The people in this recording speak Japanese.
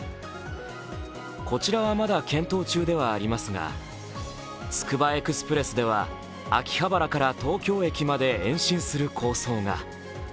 こちらはまだ検討中ではありますが、つくばエクスプレスでは秋葉原から東京駅まで延伸する構想が。